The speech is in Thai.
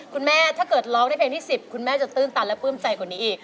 คุณแม่ถ้าเกิดรอบที่๑๐คุณแม่จะตื้นตันและเปิ้มใจกว่านี้อีก